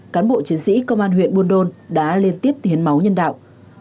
cán bộ chiến sĩ công an huyện buôn đôn đã liên tiếp hiến máu nhân đạo